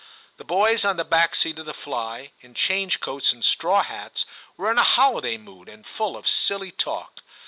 The boys on the back seat of the fly, in change coats and straw hats, were in a holiday mood, and full of silly talk.